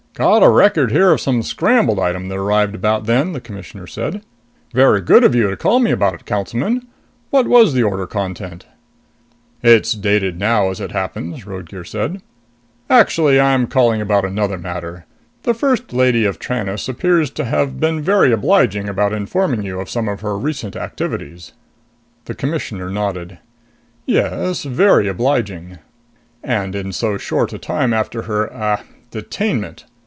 "Got a record here of some scrambled item that arrived about then," the Commissioner said. "Very good of you to call me about it, Councilman. What was the order content?" "It's dated now, as it happens," Roadgear said. "Actually I'm calling about another matter. The First Lady of Tranest appears to have been very obliging about informing you of some of her recent activities." The Commissioner nodded. "Yes, very obliging." "And in so short a time after her, ah, detainment.